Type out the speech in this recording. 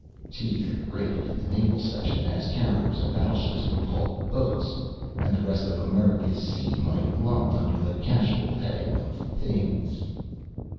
Teeth grated in the Naval section as carriers and battleships were called "boats" and the rest of America's sea might lumped under the casual heading of "things."